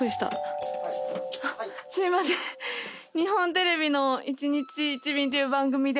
すいません日本テレビの『１日１便』という番組で。